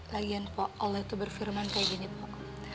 lagian pok allah itu berfirman kayak gini pok